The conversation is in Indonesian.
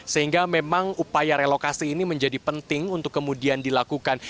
sehingga memang upaya relokasi ini menjadi penting untuk kemudian dilakukan